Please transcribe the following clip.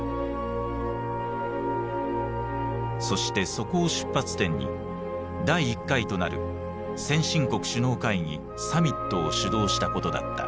そしてそこを出発点に第１回となる先進国首脳会議サミットを主導したことだった。